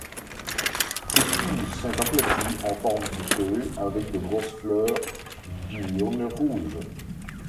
Ses tiges sont aplaties en forme de feuilles avec de grosses fleurs diurnes rouges.